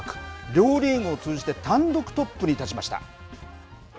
両リーグを通じて単独トップに立ちました。